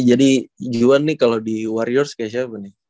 jadi juan nih kalo di warriors kayak siapa nih